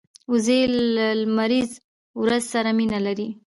وزې له لمریز ورځو سره مینه لري